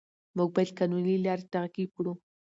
موږ باید قانوني لارې تعقیب کړو